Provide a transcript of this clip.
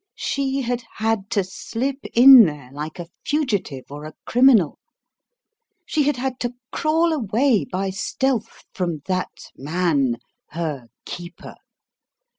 She had had to slip in there like a fugitive or a criminal. She had had to crawl away by stealth from that man, her keeper.